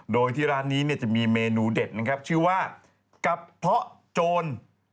โดยที่ร้านนี้จะมีเมนูเด็ดชื่อว่ากัเปาโจร